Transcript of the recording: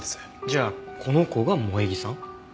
じゃあこの子が萌衣さん？